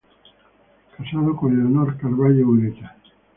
Casado con "Leonor Carvallo Ureta".